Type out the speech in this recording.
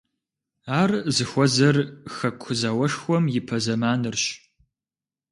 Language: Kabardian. Ар зыхуэзэр Хэку зауэшхуэм ипэ зэманырщ.